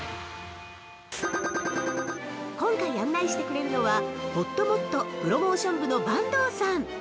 今回案内してくれるのは、ほっともっと・プロモーション部の阪東さん。